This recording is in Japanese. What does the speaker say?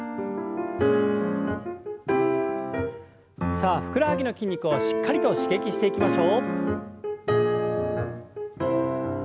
さあふくらはぎの筋肉をしっかりと刺激していきましょう。